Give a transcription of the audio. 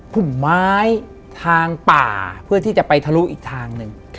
กลุ่มไม้ทางป่าเพื่อที่จะไปทะลุอีกทางหนึ่ง